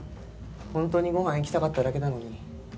ほんとにご飯行きたかっただけなのに。